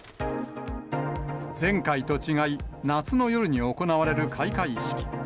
前回と違い、夏の夜に行われる開会式。